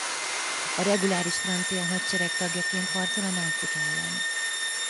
A reguláris francia hadsereg tagjaként harcol a nácik ellen.